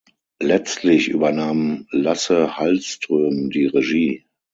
Letztlich übernahm Lasse Hallström die Regie.